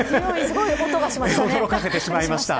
驚かせてしまいました。